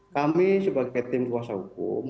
kami sebagai tim kuasa hukum